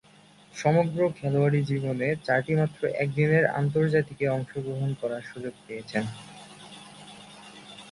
সমগ্র খেলোয়াড়ী জীবনে চারটিমাত্র একদিনের আন্তর্জাতিকে অংশগ্রহণ করার সুযোগ পেয়েছেন।